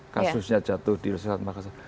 kasusnya jatuh di rusia makassar